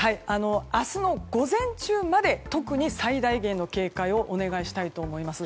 明日の午前中まで特に最大限の警戒をお願いしたいと思います。